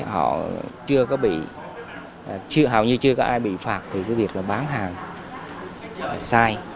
họ chưa có bị chưa hầu như chưa có ai bị phạt vì cái việc là bán hàng sai